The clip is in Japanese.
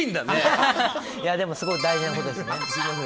でも、すごい大事なことですね。